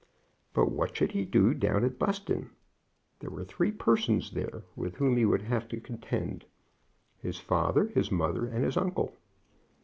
But what should he do down at Buston? There were three persons there with whom he would have to contend, his father, his mother, and his uncle.